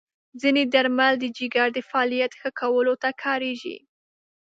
ځینې درمل د جګر د فعالیت ښه کولو ته کارېږي.